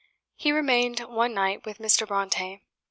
He remained one night with Mr. Brontë.